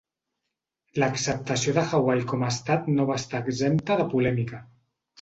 L'acceptació de Hawaii com a estat no va estar exempta de polèmica.